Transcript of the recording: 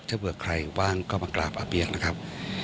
ถ้าเวอะใครว่างก็มากราบอัพยักษ์นะครับ